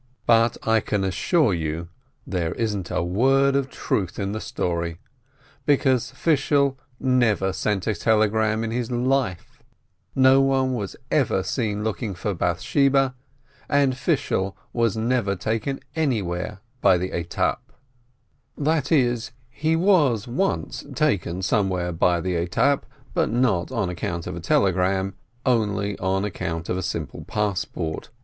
But I can assure you, there isn't a 128 SHOLOM ALECHEM word of truth in the story, because Fishel never sent a telegram in his life, nobody was ever seen looking for Bath sheba, and Fishel was never taken anywhere by the etape. That is, he was once taken somewhere by the etape, but not on account of a telegram, only on account of a simple passport!